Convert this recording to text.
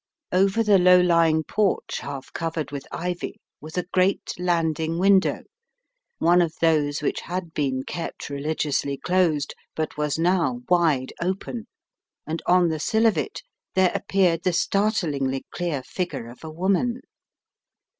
Over the low lying porch half covered with ivy was a great landing window, one of those which had been kept religiously closed, but was now wide open, and on the sill of it there ap peared the startlingly clear figure of a woman.